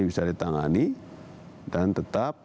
bisa ditangani dan tetap